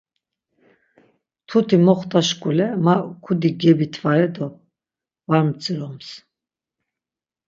Mtuti moxta şkule ma kudi gebitvare do var mdziroms.